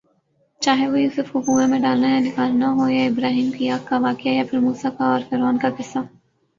چاہے وہ یوسف ؑ کو کنویں میں ڈالنا یا نکالنا ہوا یا ابراھیمؑ کی آگ کا واقعہ یا پھر موسیؑ کا اور فرعون کا قصہ